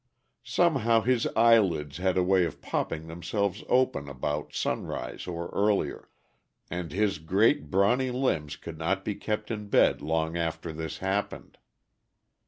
Somehow his eyelids had a way of popping themselves open about sunrise or earlier, and his great brawny limbs could not be kept in bed long after this happened.